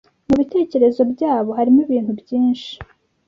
Mu bitekerezo byabo harimo ibintu byinshi